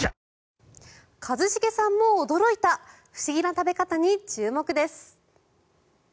一茂さんも驚いた不思議な食べ方に注目です。